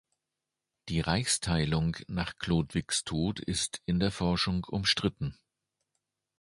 Die Reichsteilung nach Chlodwigs Tod ist in der Forschung umstritten.